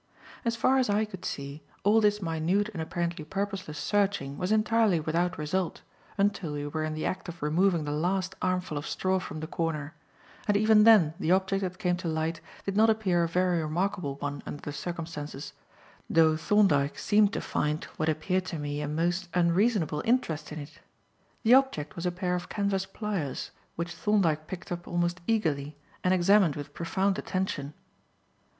As far as I could see, all this minute and apparently purposeless searching was entirely without result, until we were in the act of removing the last armful of straw from the corner; and even then the object that came to light did not appear a very remarkable one under the circumstances, though Thorndyke seemed to find what appeared to me a most unreasonable interest in it. The object was a pair of canvas pliers, which Thorndyke picked up almost eagerly and examined with profound attention.